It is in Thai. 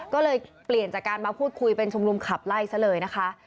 ก็เลยเปลี่ยนจากการมาพูดคุยเป็นชุมนุมขับไล่ซะเลยนะคะ